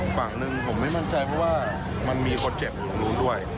ฝั่งหนึ่งผมไม่มั่นใจว่ามันมีคนเจ็บรู้ด้วย